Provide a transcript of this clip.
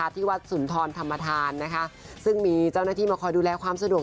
ที่วัดสุนทรธรรมธานนะคะซึ่งมีเจ้าหน้าที่มาคอยดูแลความสะดวก